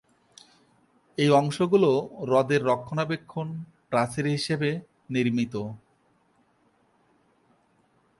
এই অংশগুলো হ্রদের রক্ষণাবেক্ষণ প্রাচীর হিসাবে নির্মিত।